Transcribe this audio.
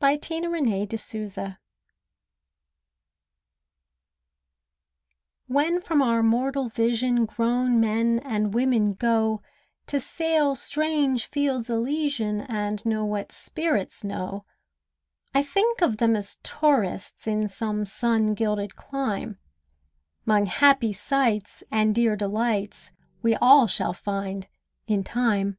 WHEN BABY SOULS SAIL OUT When from our mortal vision Grown men and women go To sail strange fields Elysian And know what spirits know, I think of them as tourists, In some sun gilded clime, 'Mong happy sights and dear delights We all shall find, in time.